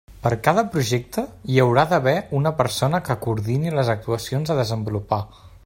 Per cada projecte hi haurà d'haver una persona que coordini les actuacions a desenvolupar.